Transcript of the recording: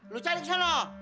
lo cari kesana